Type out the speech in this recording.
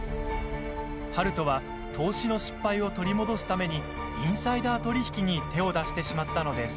悠人は投資の失敗を取り戻すためにインサイダー取引に手を出してしまったのです。